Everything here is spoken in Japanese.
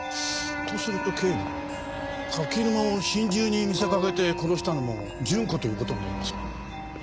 とすると警部柿沼を心中に見せかけて殺したのも順子という事になりますが。